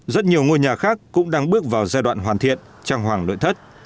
rất nhiều ngôi nhà khác cũng đang bước vào giai đoạn hoàn thiện trang hoàng nội thất